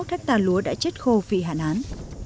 bốn trăm tám mươi một hectare lúa đã chết khô vì hạn hán